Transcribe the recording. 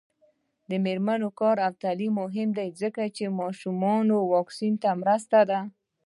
د میرمنو کار او تعلیم مهم دی ځکه چې ماشومانو واکسین مرسته ده.